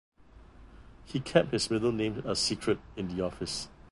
He kept his middle name a secret in the office.